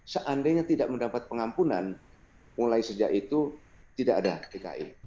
seandainya tidak mendapat pengampunan mulai sejak itu tidak ada dki